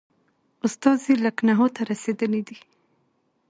استازی لکنهو ته رسېدلی دی.